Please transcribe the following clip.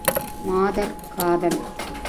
மாதர் காதல்